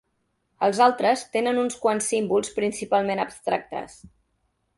Els altres tenen uns quants símbols principalment abstractes.